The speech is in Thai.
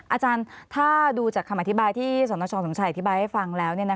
อาจารย์ถ้าดูจากคำอธิบายที่สนชสมชัยอธิบายให้ฟังแล้ว